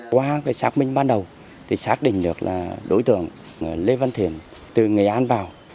qua xác minh ban đầu xác định được đối tượng lê văn thiền từ nghệ an vào